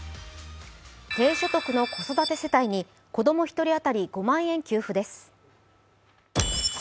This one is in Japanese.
低所得の子育て世帯に子供１人当たり５万円を給付です。